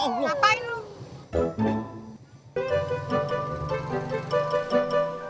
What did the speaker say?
jangan lupa like share dan subscribe ya